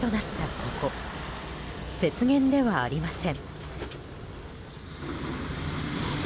ここ雪原ではありません。